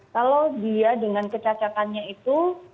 kalau dia dengan kecacakannya itu